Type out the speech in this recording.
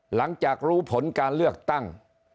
หลังจากรู้ผลการเลือกตั้ง